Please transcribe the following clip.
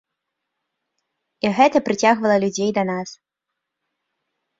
І гэта прыцягвала людзей да нас.